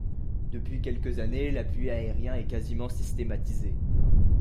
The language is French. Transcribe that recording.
Depuis quelques années, l'appui aérien est quasiment systématisé.